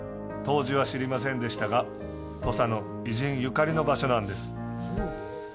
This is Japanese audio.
当時は知りませんでしたが、土佐の偉人ゆかりの場所なんです。